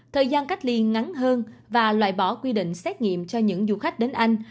thời gian cách ly ngắn hơn và loại bỏ quy định xét nghiệm cho những du khách đến anh